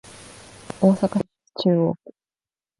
大阪市中央区